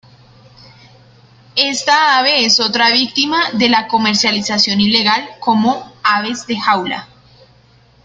Esta ave es otra víctima de la comercialización ilegal como aves de jaula.